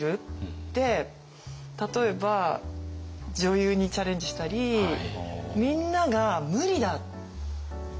で例えば女優にチャレンジしたりみんなが「無理だ！」って反対したんです。